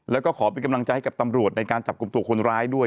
แล้วก็ขอเป็นกำลังใจให้กับตำรวจในการจับกลุ่มตัวคนร้ายด้วย